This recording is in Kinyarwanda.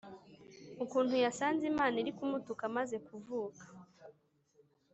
ukuntu yasanze Imana iri mu kumutuka amaze kuvuka,